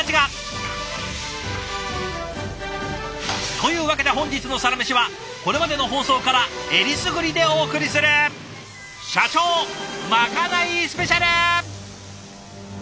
というわけで本日の「サラメシ」はこれまでの放送からえりすぐりでお送りする「社長まかないスペシャル」！